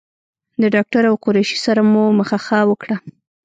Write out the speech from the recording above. د ډاکټر او قریشي سره مو مخه ښه وکړه.